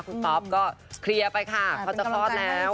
คุณป๊อปก็เคลียร์ไปค่ะเขาจะคลอดแล้ว